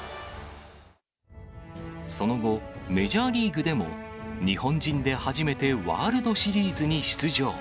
その後、メジャーリーグでも、日本人で初めてワールドシリーズに出場。